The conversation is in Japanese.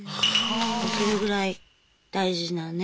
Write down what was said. それぐらい大事なね。